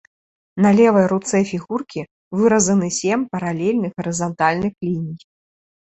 На левай руцэ фігуркі выразаны сем паралельных, гарызантальных ліній.